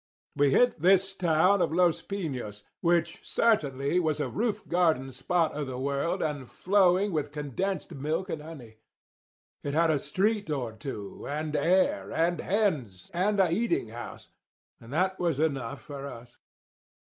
We hit this town of Los Piños, which certainly was a roof garden spot of the world, and flowing with condensed milk and honey. It had a street or two, and air, and hens, and a eating house; and that was enough for us.